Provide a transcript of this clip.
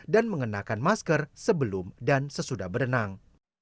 dan mengenakan masker sebelum dan sesudah berenang